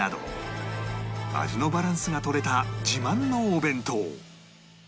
味のバランスが取れた自慢のお弁当